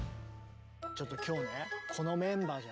ちょっと今日ねこのメンバーじゃん。